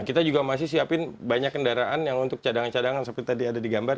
kita juga masih siapin banyak kendaraan yang untuk cadangan cadangan seperti tadi ada di gambar